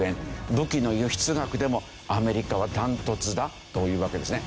武器の輸出額でもアメリカはダントツだというわけですね。